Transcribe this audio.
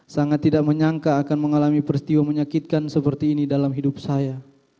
sangat tidak menyangka akan mengalami peristiwa menyakitkan seperti ini dalam hidup saya